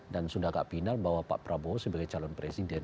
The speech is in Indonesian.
dan sudah agak final bahwa pak prabowo sebagai calon presiden